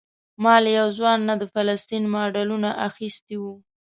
ما له یو ځوان نه د فلسطین ماډلونه اخیستي وو.